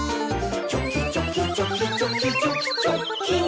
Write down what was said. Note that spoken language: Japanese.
「チョキチョキチョキチョキチョキチョッキン！」